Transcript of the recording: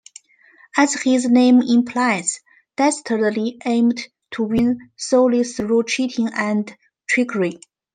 As his name implies, Dastardly aimed to win solely through cheating and trickery.